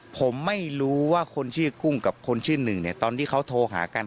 ผมไม่รู้ว่าคนชื่อกุ้งกับคนชื่อหนึ่งเนี่ยตอนที่เขาโทรหากัน